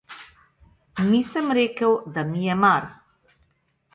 Nisem rekel, da mi je mar.